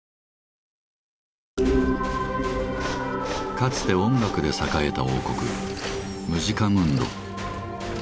かつて音楽で栄えた王国「ムジカムンド」。